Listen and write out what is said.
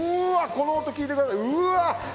この音聞いてくださいうわ